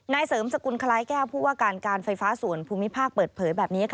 เสริมสกุลคล้ายแก้วผู้ว่าการการไฟฟ้าส่วนภูมิภาคเปิดเผยแบบนี้ค่ะ